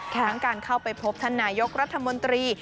ทั้งการเข้าไปพบท่านนายกรัฐมนตรี